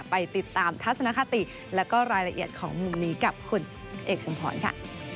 ไปติดตามทัศนคติและก็รายละเอียดของมุมนี้กับคุณเอกชุมพรค่ะ